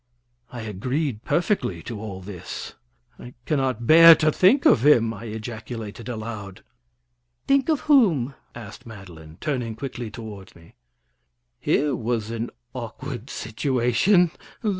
I agreed perfectly to all this. "I cannot bear to think of him!" I ejaculated aloud. "Think of whom?" asked Madeline, turning quickly toward me. Here was an awkward situation.